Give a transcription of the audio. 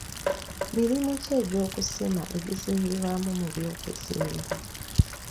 Mirimu ki egy'okusima egizingirwa mu by'okuzimba.